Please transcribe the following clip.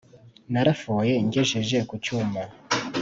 Narafoye ngejeje ku cyuma